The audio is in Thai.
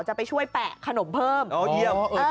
จะไปช่วยแปะขนมเพิ่ม